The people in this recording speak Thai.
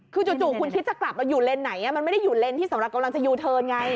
คือจู่คุณคิดจะกลับเราอยู่เลนสไหนมันไม่ได้อยู่เลนที่สำหรับกำลังจะยูเทิร์นไง